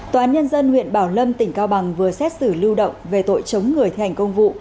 tòa án nhân dân huyện bảo lâm tỉnh cao bằng vừa xét xử lưu động về tội chống người thi hành công vụ